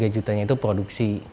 tiga jutanya itu produksi